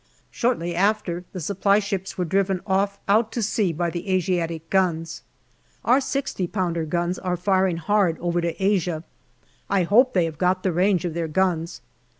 Shortly after, the supply ships were driven off out to sea by the Asiatic guns. Our 6o pounder guns are firing hard over to Asia. I hope they have got the range of their guns.